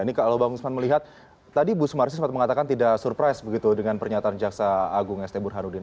ini kalau bang usman melihat tadi bu sumarsi sempat mengatakan tidak surprise begitu dengan pernyataan jaksa agung st burhanuddin